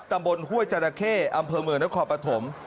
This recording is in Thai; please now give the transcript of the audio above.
ห้วยจราเข้อำเภอเมืองนครปฐม